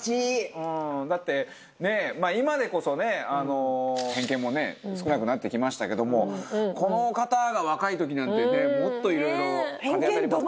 だってねっ今でこそね偏見もね少なくなってきましたけどもこの方が若いときなんてねもっといろいろ風当り。